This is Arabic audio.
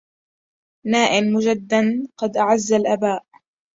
ناء مجداً قد أعجز الآباءَ